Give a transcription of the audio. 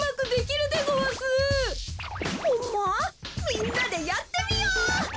みんなでやってみよう！